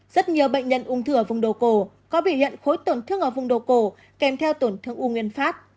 rất nhiều bệnh nhân ung thư ở vùng đầu cổ có biểu hiện khối tổn thương ở vùng đầu cổ kèm theo tổn thương u nguyên phát